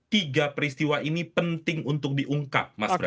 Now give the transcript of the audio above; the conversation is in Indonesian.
tiga peristiwa ini penting untuk diungkap mas bram